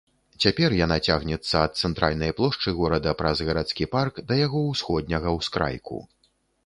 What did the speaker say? Цяпер яна цягнецца ад цэнтральнай плошчы горада, праз гарадскі парк, да яго ўсходняга ўскрайку.